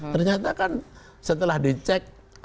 ternyata kan setelah dicek